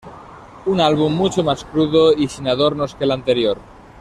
Un álbum mucho más crudo y sin adornos que el anterior.